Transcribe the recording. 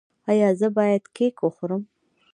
ایا زه باید کیک وخورم؟